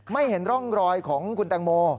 เห็นร่องรอยของคุณแตงโม